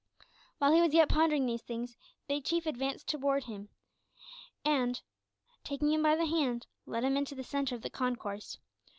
While he was yet pondering these things, Big Chief advanced towards him, and, taking him by the hand, led him into the centre of the concourse.